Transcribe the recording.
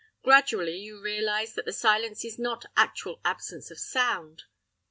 Gradually you realise that the silence is not actual absence of sound.